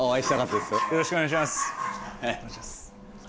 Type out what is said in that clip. よろしくお願いします。